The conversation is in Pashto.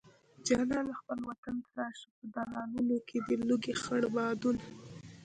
جانانه خپل وطن ته راشه په دالانونو کې دې لګي خړ بادونه